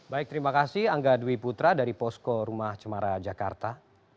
baik terima kasih angga dwi putra dari posko rumah cemara jakarta